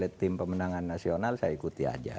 tidak ditentukan oleh tim pemenangan nasional saya ikuti aja